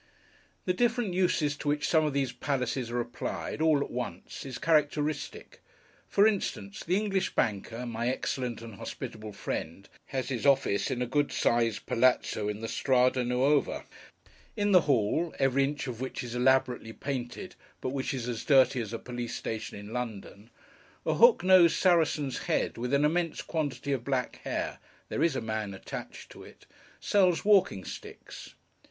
The different uses to which some of these Palaces are applied, all at once, is characteristic. For instance, the English Banker (my excellent and hospitable friend) has his office in a good sized Palazzo in the Strada Nuova. In the hall (every inch of which is elaborately painted, but which is as dirty as a police station in London), a hook nosed Saracen's Head with an immense quantity of black hair (there is a man attached to it) sells walking sticks.